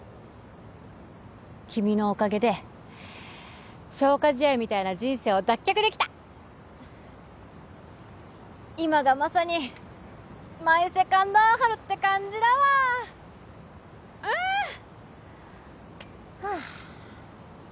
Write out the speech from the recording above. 君のおかげで消化試合みたいな人生を脱却できた今がまさにマイ・セカンド・アオハルって感じだわうんはあ